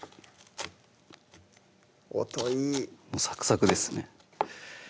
音いいサクサクですね